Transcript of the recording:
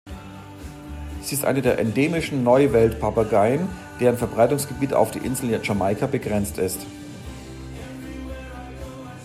Sie ist eine der endemischen Neuweltpapageien, deren Verbreitungsgebiet auf die Insel Jamaika begrenzt ist.